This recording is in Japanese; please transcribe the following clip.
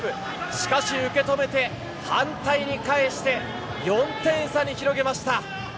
しかし、受け止めて反対に返して４点差に広げました。